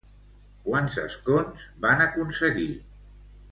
Quants escons van aconseguir?